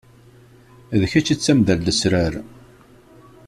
D kečč i d tamda n lesrar.